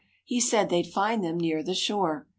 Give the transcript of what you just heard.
He said they'd find them near the shore.